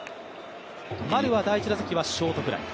丸は第１打席はショートフライ。